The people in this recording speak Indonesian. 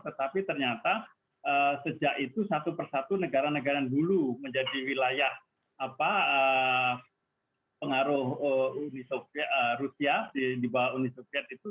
tetapi ternyata sejak itu satu persatu negara negara dulu menjadi wilayah pengaruh rusia di bawah uni soviet itu